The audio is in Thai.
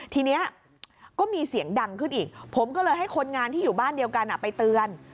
ทีนี้ก็มีเสียงดังขึ้นอีกผมก็เลยให้คนงานที่อยู่บ้านเดียวกันไปเตือน